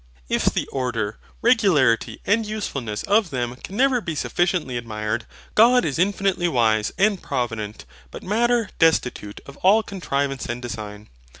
If the order, regularity, and usefulness of them can never be sufficiently admired; God is infinitely wise and provident, but Matter destitute of all contrivance and design.